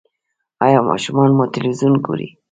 ایا ماشومان مو تلویزیون ګوري؟